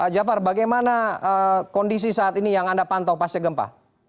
jafar bagaimana kondisi saat ini yang anda pantau pasca gempa